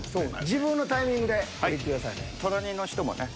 自分のタイミングでいってくださいね。